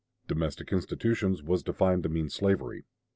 "Domestic institutions" was defined to mean slavery.